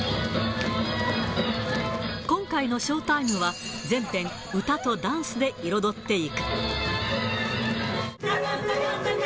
今回のＳＨＯＷＴＩＭＥは、全編、歌とダンスで彩っていく。